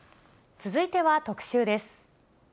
続いては特集です。